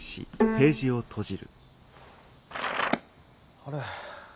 あれ？